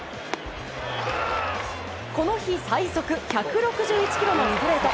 この日最速１６１キロのストレート。